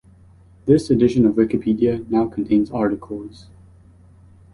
This edition of Wikipedia now contains articles.